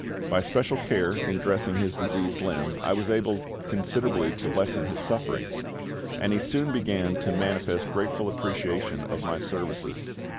By special care in dressing his diseased limb I was able considerably to lessen his sufferings, and he soon began to manifest grateful appreciation of my services.